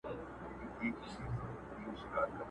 شهنشاه یمه د غرونو زه زمری یم٫